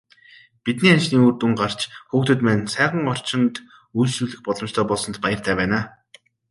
Бидний ажлын үр дүн гарч, хүүхдүүд маань сайхан орчинд үйлчлүүлэх боломжтой болсонд баяртай байна.